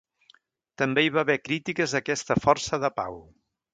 També hi va haver crítiques a aquesta força de pau.